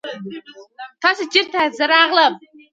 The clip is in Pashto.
تاسې چيرته ياست؟ زه راغلی يم.